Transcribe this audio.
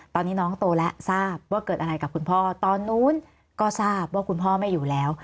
ตอนนี้น้องโตแล้วทราบว่าเกิดอะไรกับคุณพ่อตอนนู้นก็ทราบว่าคุณพ่อไม่อยู่แล้ว